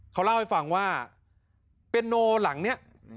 เขาเล่าให้ฟังว่าเปียโนหลังนี้